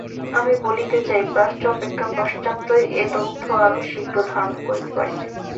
আমি বলিতে চাই, প্রাচ্য অপেক্ষা পাশ্চাত্যই এ তত্ত্ব আরও শীঘ্র ধারণা করিতে পারিবে।